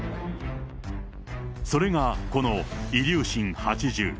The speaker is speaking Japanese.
それがこのイリューシン８０。